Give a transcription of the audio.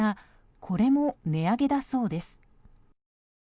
これも値上げだそうです。